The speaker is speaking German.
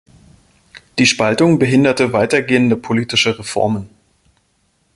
Die Spaltung behinderte weitergehende politische Reformen.